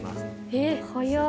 えっ早い。